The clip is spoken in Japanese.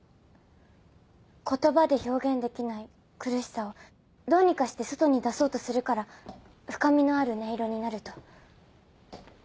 言葉で表現できない苦しさをどうにかして外に出そうとするから深みのある音色になると。